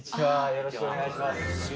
よろしくお願いします。